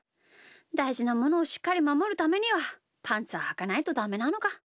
だいじなものをしっかりまもるためにはパンツははかないとダメなのか。